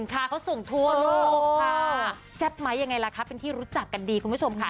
เขาส่งทั่วโลกค่ะแซ่บไหมยังไงล่ะคะเป็นที่รู้จักกันดีคุณผู้ชมค่ะ